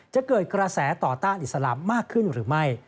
จะเกิดกระแสต่อต้านอิสลามมากขึ้นหรือไม่